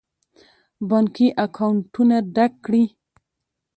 بانکي اکاونټونه ډک کړي.